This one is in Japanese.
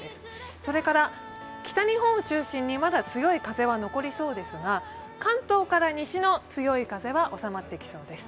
それから北日本を中心にまだ強い風は残りそうですが、関東から西の弱い風は収まってきそうです。